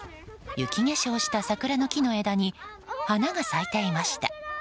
雪化粧した桜の木の枝に花が咲いていました。